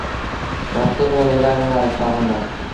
رستي ميݩ ننڍآ ننڍآ اسٽآڦ هُݩدآ۔